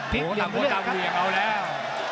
ตาม้วนยังเอาถึง